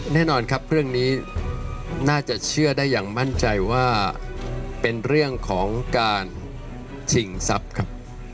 แน่นอนครับเรื่องนี้น่าจะเชื่อได้อย่างมั่นใจว่าเป็นเรื่องของการชิงทรัพย์ครับ